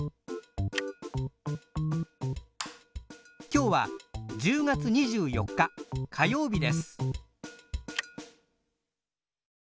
今日は１０月２４日火曜日です。